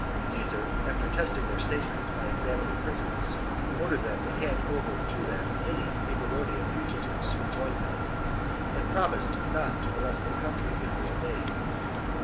Caesar, after testing their statements by examining prisoners, ordered them to hand over to him any Eburonian fugi tives who joined them, and promised not to molest their country if they obeyed.